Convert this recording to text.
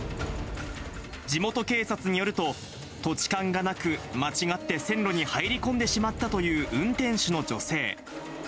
地元警察によると、土地勘がなく、間違って線路に入り込んでしまったという運転手の女性。